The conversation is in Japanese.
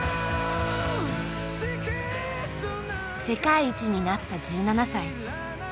世界一になった１７歳。